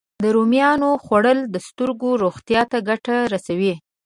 د رومیانو خوړل د سترګو روغتیا ته ګټه رسوي